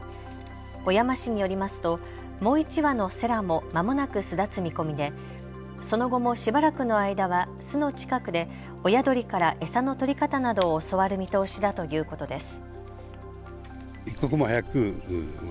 小山市によりますともう１羽のセラもまもなく巣立つ見込みでその後もしばらくの間は巣の近くで親鳥から餌の取り方などを教わる見通しだということです。